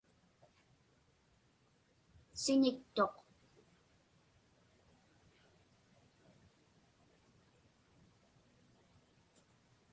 Siñiktuq.